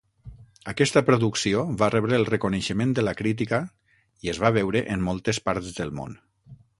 Aquesta producció va rebre el reconeixement de la crítica, i es va veure en moltes parts del món.